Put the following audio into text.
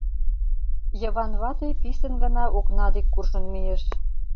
Йыван вате писын гына окна дек куржын мийыш.